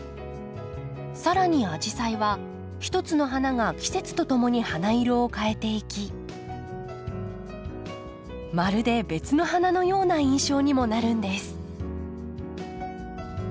更にアジサイは一つの花が季節とともに花色を変えていきまるで別の花のような印象にもなるんです。